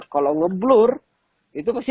kalau ngeblur itu pasti